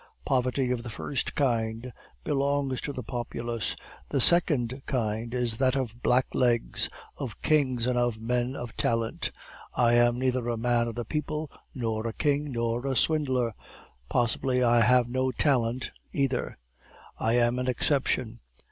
Poverty of the first kind belongs to the populace; the second kind is that of blacklegs, of kings, and of men of talent. I am neither a man of the people, nor a king, nor a swindler; possibly I have no talent either, I am an exception.